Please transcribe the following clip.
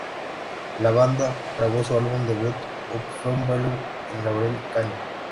La banda grabó su álbum debut, "Up From Below," en Laurel Canyon.